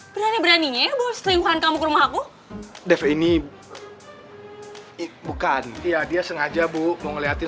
berani beraninya selingkuhan kamu rumahku ini bukan iya dia sengaja bu mau ngeliatin